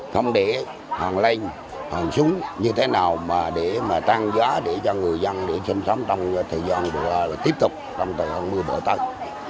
không để hòn linh hòn súng như thế nào mà để mà tăng gió để cho người dân để sống trong thời gian tiếp tục trong thời gian mưa bộ tây